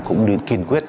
cũng đi kiên quyết